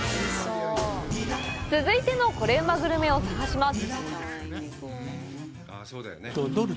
続いてのコレうまグルメを探します！